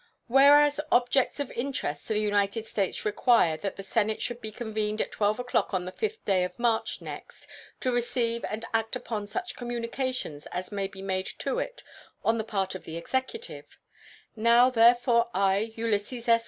Whereas objects of interest to the United States require that the Senate should be convened at 12 o'clock on the 5th day of March next to receive and act upon such communications as may be made to it on the part of the Executive: Now, therefore, I, Ulysses S.